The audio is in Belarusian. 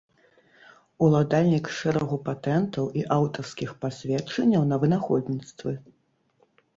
Уладальнік шэрагу патэнтаў і аўтарскіх пасведчанняў на вынаходніцтвы.